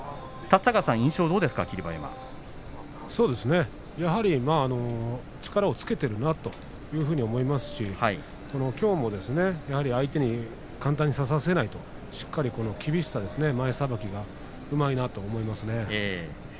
馬山力をつけているなというふうに思いますしきょうも相手に簡単に差させないという厳しさ、前さばきがうまいなと思います。